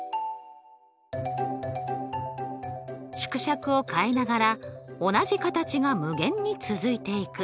縮尺を変えながら同じ形が無限に続いていく。